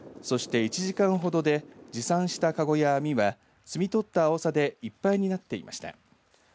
そして、１時間ほどで持参した籠や網は摘み取ったアオサでいっぱいになっていました。